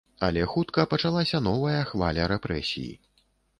Але хутка пачалася новая хваля рэпрэсій.